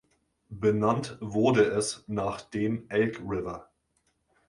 Benannt wurde es nach dem Elk River.